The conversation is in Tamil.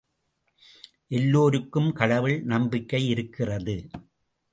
எல்லோருக்கும் கடவுள் நம்பிக்கை இருக்கிறது.